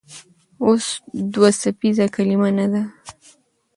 اوس دوه څپیزه کلمه نه ده.